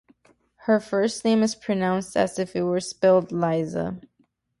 Her first name is pronounced as if it were spelled Liza.